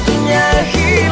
makasih ya kang